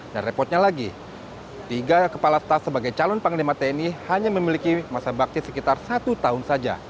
dan repotnya lagi tiga kepala staf sebagai calon panglima tni hanya memiliki masa bakti sekitar satu tahun saja